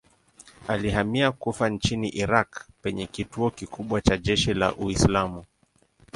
Alihamia Kufa nchini Irak penye kituo kikubwa cha jeshi la Uislamu.